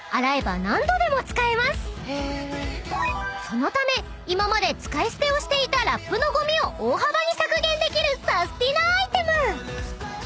［そのため今まで使い捨てをしていたラップのゴミを大幅に削減できるサスティなアイテム］